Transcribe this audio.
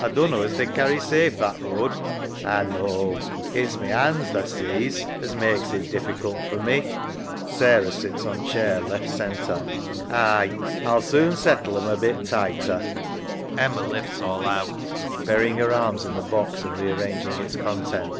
A dunno as they'd carry safe that road. SARAH. A know. It's my 'ands tha sees, as mak's it diffi cult for me. [Sits on chair left centre. LONESOME LIKE 289 EMMA. Aye. A'll soon settle 'em a bit tighter. [Lifts all out. Burying her arms in the box and rearranging its contents.